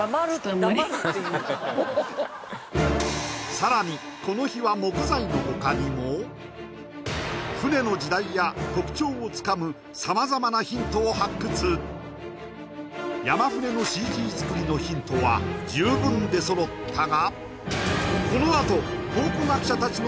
さらにこの日は船の時代や特徴をつかむ山舩のＣＧづくりのヒントは十分出そろったががまだ？